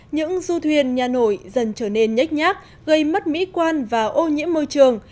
những du thuyền nhà nổi dần trở nên nhách nhác gây mất mỹ quan và ô nhiễm môi trường